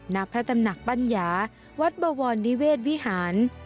ณพระตำหนักปัญญาวัดบวรนิเวศวิหาร